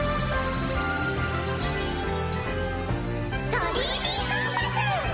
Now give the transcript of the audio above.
ドリーミーコンパス！